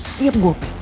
setiap gue pengen